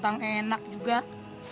dari tau gak